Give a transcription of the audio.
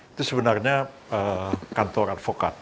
itu sebenarnya kantor advokat